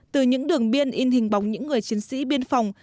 từ những đường biên in hình bóng những người chiến sĩ biên phòng